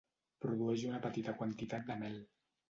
Produeix una petita quantitat de mel.